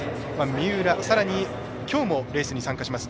三浦、さらにきょうもレースに参加します。